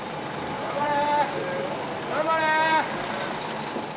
頑張れ！